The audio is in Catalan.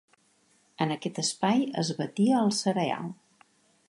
En aquest espai es batia el cereal.